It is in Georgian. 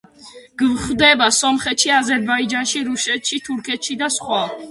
გვხვდება სომხეთში, აზერბაიჯანში, რუსეთში, თურქეთში და სხვა.